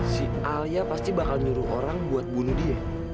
si alia pasti bakal nyuruh orang buat bunuh dia